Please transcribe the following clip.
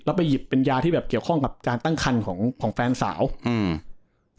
แล้วไปหยิบเป็นยาที่แบบเกี่ยวข้องกับการตั้งคันของของแฟนสาวอืม